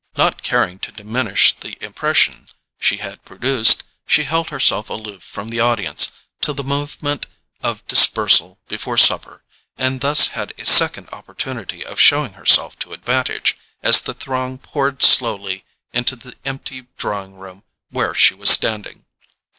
Not caring to diminish the impression she had produced, she held herself aloof from the audience till the movement of dispersal before supper, and thus had a second opportunity of showing herself to advantage, as the throng poured slowly into the empty drawing room where she was standing.